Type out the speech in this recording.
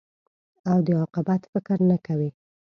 او د عاقبت فکر نه کوې.